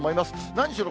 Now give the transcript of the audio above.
何しろ